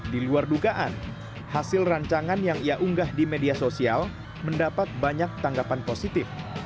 di luar dugaan hasil rancangan yang ia unggah di media sosial mendapat banyak tanggapan positif